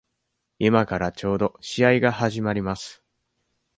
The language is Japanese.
今からちょうど試合が始まります。